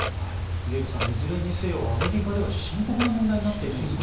デーブさんいずれにせよアメリカでは深刻な問題になっているんですね。